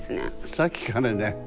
さっきからね